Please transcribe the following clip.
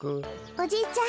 おじいちゃん